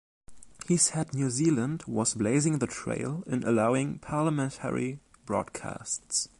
He said New Zealand was blazing the trail in allowing parliamentary broadcasts.